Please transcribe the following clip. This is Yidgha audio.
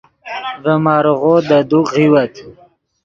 ڤے ماریغو دے دوک غیوت